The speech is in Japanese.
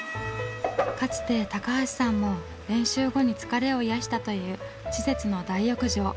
かつて高橋さんも練習後に疲れを癒やしたという施設の大浴場。